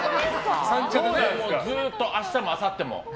ずっと明日もあさっても。